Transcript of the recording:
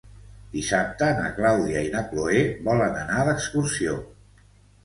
Dissabte na Clàudia i na Cloè volen anar d'excursió.